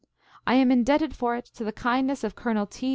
I am indebted for it to the kind ness of Colonel T.